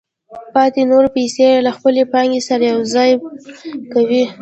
پاتې نورې پیسې له خپلې پانګې سره یوځای کوي